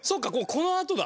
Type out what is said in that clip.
このあとだ！